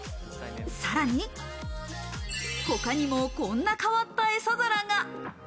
さらに他にもこんな変わったエサ皿が。